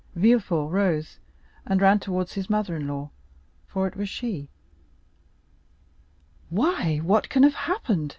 Villefort rose, and ran towards his mother in law, for it was she. "Why, what can have happened?"